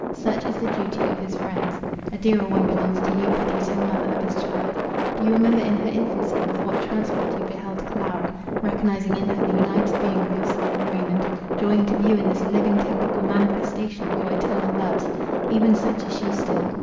Such is the duty of his friends. A dearer one belongs to you, Perdita, mother of his child. Do you remember in her infancy, with what transport you beheld Clara, recognizing in her the united being of yourself and Raymond; joying to view in this living temple a manifestation of your eternal loves. Even such is she still.